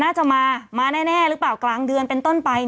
น่าจะมามาแน่หรือเปล่ากลางเดือนเป็นต้นไป